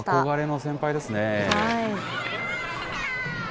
憧れの先輩ですね。